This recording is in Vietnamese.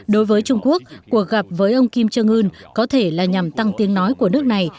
đối với trung quốc cuộc gặp với ông kim jong un có thể là nhằm tăng tiếng nói của nước này